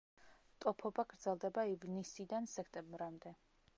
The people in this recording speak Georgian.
ტოფობა გრძელდება ივნისიდან სექტემბრამდე.